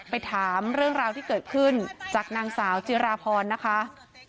ไปถามเรื่องราวที่เกิดขึ้นจากนางสาวจิราพรนะคะ